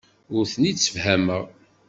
Ur ten-id-ssefhameɣ.